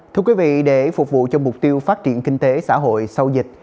thưa quý vị để phục vụ cho mục tiêu phát triển kinh tế xã hội sau dịch